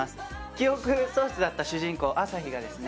記憶喪失だった主人公アサヒがですね